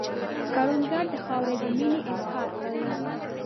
کروندګر د خاورې د مینې اظهار کوي